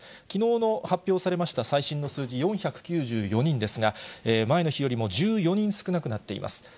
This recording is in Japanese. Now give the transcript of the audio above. きのうの発表されました最新の数字、４９４人ですが、前の日よりも１４人少なくなっています。